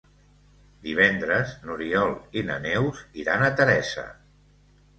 Divendres n'Oriol i na Neus iran a Teresa.